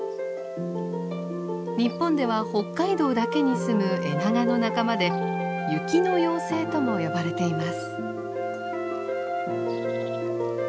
日本では北海道だけに住むエナガの仲間で雪の妖精とも呼ばれています。